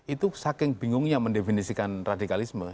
itu saking bingungnya mendefinisikan radikalisme